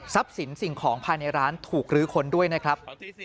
สินสิ่งของภายในร้านถูกลื้อค้นด้วยนะครับ